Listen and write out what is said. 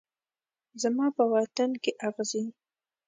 زما په وطن کې اغزي